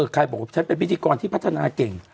ใครบอกว่าฉันเป็นพิธีกรที่พัฒนาเก่ง